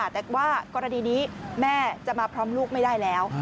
แต่ว่ากรณีนี้แม่จะมาพร้อมลูกไม่ได้แล้ว